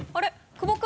久保君。